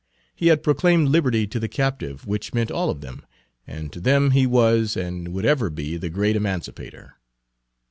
He had proclaimed liberty to the captive, which meant all to them; and to them he was and would ever be the Great Emancipator.